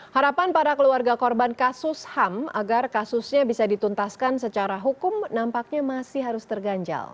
harapan para keluarga korban kasus ham agar kasusnya bisa dituntaskan secara hukum nampaknya masih harus terganjal